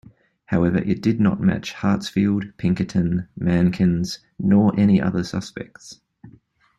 However it did not match Hartsfield, Pinkerton, Mankins, nor any other suspects.